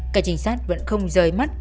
các trinh sát vẫn không rơi mắt